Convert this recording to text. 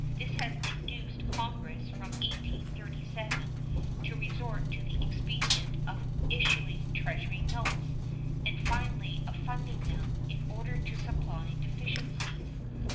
This has induced Congress, from 1837, to resort to the expedient of issuing Treasury notes, and finally of funding them, in order to supply deficiencies.